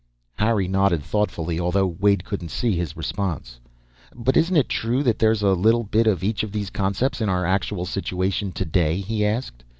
Harry nodded thoughtfully, although Wade couldn't see his response. "But isn't it true that there's a little bit of each of these concepts in our actual situation today?" he asked.